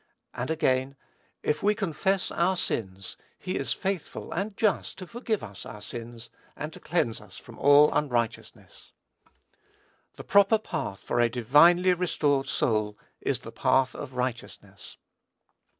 And again: "If we confess our sins, he is faithful and just to forgive us our sins, and to cleanse us from all unrighteousness." The proper path for a divinely restored soul is "the path of righteousness."